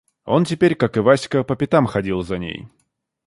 Он теперь, как и Васька, по пятам ходил за ней.